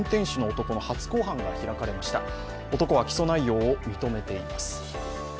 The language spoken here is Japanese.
男は起訴内容を認めています。